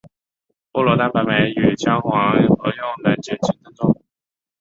菠萝蛋白酶与姜黄合用能减轻症状。